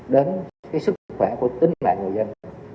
đến cái sức khỏe của tính mạng người dân